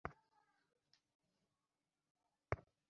তিনি এক নতুন ধরনের চিকিৎসা পদ্ধতির উদ্ভাবন করেন।